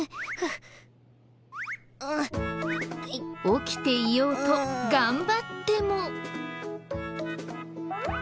起きていようと頑張っても。